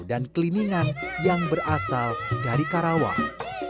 keliningan yang berasal dari karawang